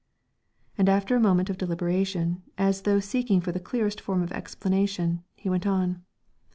And after a moment of deliberation, as though seeking for the clearest form of explanation, he went on.